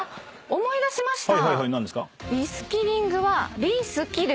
思い出しましたね。